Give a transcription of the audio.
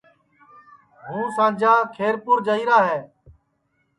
ہوں سانجا کھیرپُور جائیرا ہے